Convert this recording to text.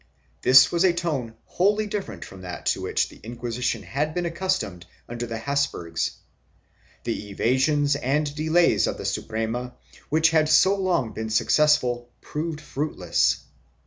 This was a tone wholly different from that to which 350 RELATIONS WITH THE CROWN [BOOK II the Inquisition had been accustomed under the Hapsburgs; the evasions and delays of the Suprema, which had so long been successful, proved fruitless.